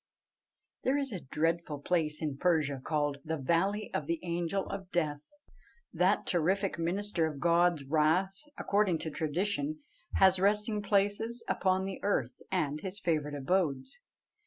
There is a dreadful place in Persia called the "Valley of the Angel of Death." That terrific minister of God's wrath, according to tradition, has resting places upon the earth and his favourite abodes.